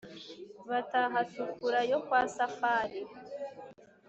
Bataha Tukura yo kwa Safari;